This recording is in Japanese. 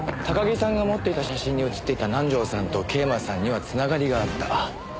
高木さんが持っていた写真に写っていた南条さんと桂馬さんには繋がりがあった。